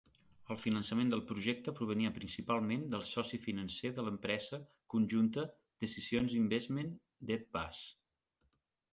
El finançament del projecte provenia principalment del soci financer de l'empresa conjunta Decisions Investment d'Ed Bass.